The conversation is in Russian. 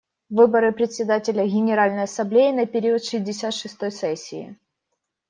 Выборы Председателя Генеральной Ассамблеи на период шестьдесят шестой сессии.